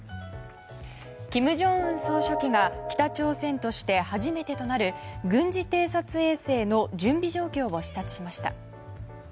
金正恩総書記が北朝鮮として初めてとなる軍事偵察衛星の準備状況を視察しました。